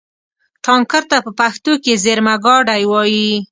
ټانکر ته په پښتو کې زېرمهګاډی وایي.